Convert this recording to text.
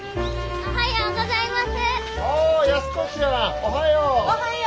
おはようございます。